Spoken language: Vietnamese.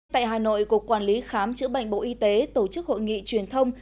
tại hà nội cục quản lý khám chữa bệnh bộ y tế tổ chức hội nghị truyền thông